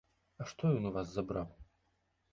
А што ён у вас забраў?